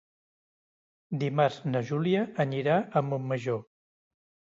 Dimarts na Júlia anirà a Montmajor.